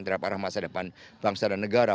terhadap arah masa depan bangsa dan negara